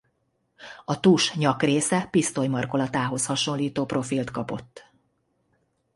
A tus nyak része pisztoly markolatához hasonlító profilt kapott.